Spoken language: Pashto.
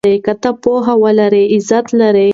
که ته پوهه ولرې عزت لرې.